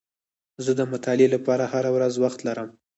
زه د مطالعې لپاره هره ورځ وخت لرم.